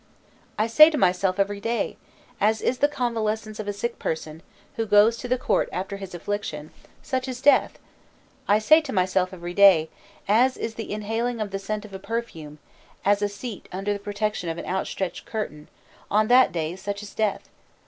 "I say to myself every day: As is the convalescence of a sick person, who goes to the court after his affliction, such is death.... I say to myself every day: As is the inhaling of the scent of a perfume, as a seat under the protection of an outstretched curtain, on that day, such is death....